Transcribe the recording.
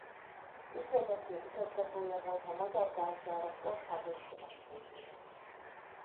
Ügyvezető-igazgatója volt a Magyar Gázgyárak Országos Szövetségének.